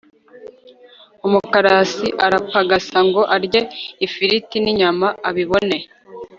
umukarasi arapagasa ngo arye ifiriti n'inyama abibone